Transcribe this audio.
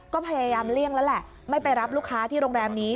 ก็พยายามเลี่ยงแล้วแหละไม่ไปรับลูกค้าที่โรงแรมนี้